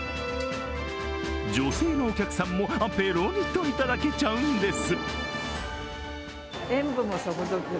女性のお客さんもペロリといただけちゃうんです。